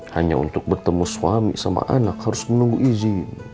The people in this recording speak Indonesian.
hanya untuk bertemu suami sama anak harus menunggu izin